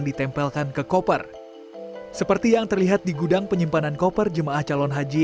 ditempelkan ke koper seperti yang terlihat di gudang penyimpanan koper jemaah calon haji